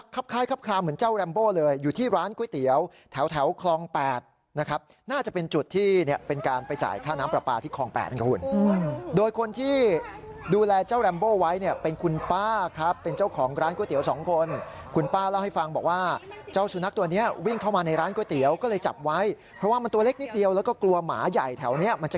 ตามเหมือนเจ้าลัมโบ่เลยอยู่ที่ร้านก๋วยเตี๋ยวแถวคลอง๘นะครับน่าจะเป็นจุดที่เนี่ยเป็นการไปจ่ายค่าน้ำปลาที่คลอง๘ทั้งกระหุ่นโดยคนที่ดูแลเจ้าลัมโบ่ไว้เนี่ยเป็นคุณป้าครับเป็นเจ้าของร้านก๋วยเตี๋ยว๒คนคุณป้าเล่าให้ฟังบอกว่าเจ้าสุนัขตัวเนี่ยวิ่งเข้ามาในร้านก๋วยเต